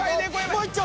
もう一丁！